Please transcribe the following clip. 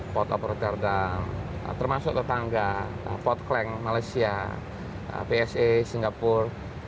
port of rotterdam termasuk tetangga port clang malaysia psa singapura